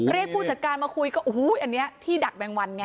เรียกผู้จัดการมาคุยก็อันนี้ที่ดักแมลงวันไง